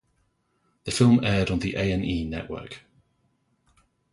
The film aired on the A and E Network.